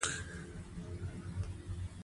ښارونه د افغانانو د معیشت سرچینه ده.